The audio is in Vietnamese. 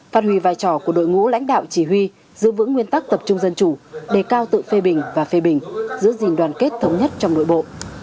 phát huy vai trò của đội ngũ lãnh đạo chỉ huy giữ vững nguyên tắc tập trung dân chủ đề cao tự phê bình và phê bình giữ gìn đoàn kết thống nhất trong nội bộ